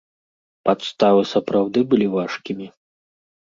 Падставы сапраўды былі важкімі?